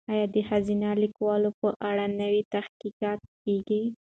ایا د ښځینه لیکوالو په اړه نوي تحقیقات کیږي؟